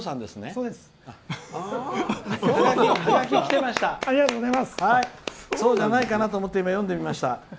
そうじゃないかなと思って読んでみました。